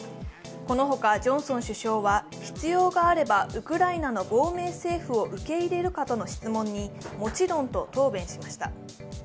このほかジョンソン首相は必要があればウクライナの亡命政府を受け入れるかとの質問に、もちろんと答弁しました。